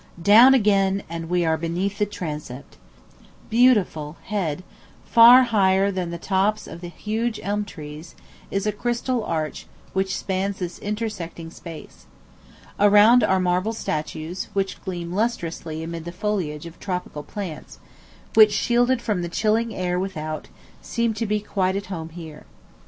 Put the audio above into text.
Down again, and we are beneath the transept. Beautiful, head, far higher than the tops of the huge elm trees, is a crystal arch which spans this intersecting space. Around are marble statues, which gleam lustrously amid the foliage of tropical plants, which, shielded from the chilling air without, seem to be quite at home here.